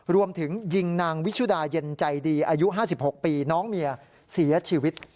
รวมถึงยิงนางวิชุดาเย็นใจดีอายุ๕๖ปีน้องเมียเสียชีวิต